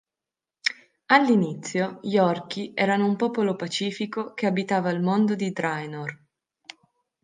All'inizio, gli orchi erano un popolo pacifico che abitava il mondo di Draenor.